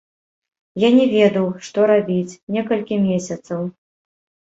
Я не ведаў, што рабіць, некалькі месяцаў.